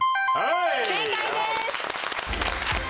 正解です！